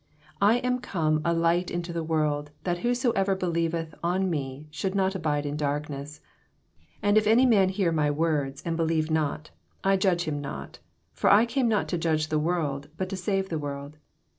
46 I am oome a light into the world that whosoever believeth on me should not abide in darkness. 47 And if any man hear mj words, and believe not, I Judge him not: for I oame not to judge the world, bat to ■ave the world.